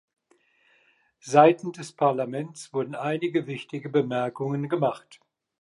Seitens des Parlaments wurden einige wichtige Bemerkungen gemacht.